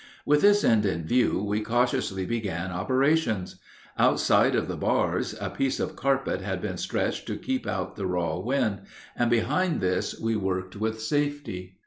With this end in view we cautiously began operations. Outside of the bars a piece of carpet had been stretched to keep out the raw wind, and behind this we worked with safety.